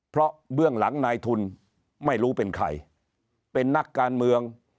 เพราะเบื้องหลังนายทุนไม่รู้เป็นใครเป็นนักการเมือง